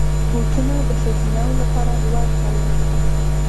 بوټونه د ښځینه وو لپاره لوړ تل لري.